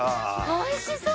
おいしそう！